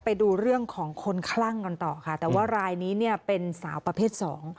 ไปดูเรื่องของคนคลั่งก่อนต่อแค่แต่ว่ารายนี้เป็นสาวประเภท๒